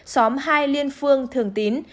xóm hai liên phương thường tín